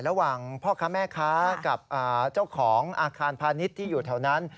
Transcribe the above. ระหว่างพ่อค้าแม่ค้ากับเจ้าของอาคารพาณิชย์ที่อยู่แถวนั้น